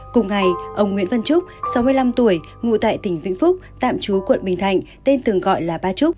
cùng ngày ông nguyễn văn trúc sáu mươi năm tuổi ngủ tại tỉnh vĩnh phúc tạm trú quận bình thạnh tên từng gọi là ba trúc